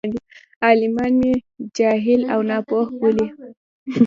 عالمان مې جاهل او ناپوه بولي.